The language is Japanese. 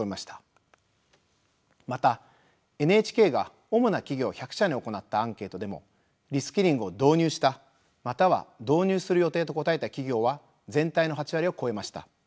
またＮＨＫが主な企業１００社に行ったアンケートでもリスキリングを導入したまたは導入する予定と答えた企業は全体の８割を超えました。